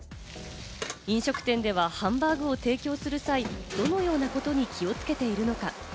飲食店ではハンバーグを提供する際、どのようなことに気をつけているのか？